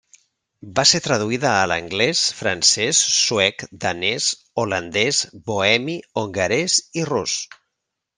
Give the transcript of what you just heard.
Va ser traduïda a l'anglès, francès, suec, danès, holandès, bohemi, hongarès i rus.